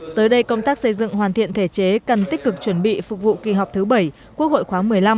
tới đây công tác xây dựng hoàn thiện thể chế cần tích cực chuẩn bị phục vụ kỳ họp thứ bảy quốc hội khoáng một mươi năm